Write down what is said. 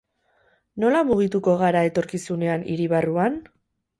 Nola mugituko gara etorkizunean hiri barruan?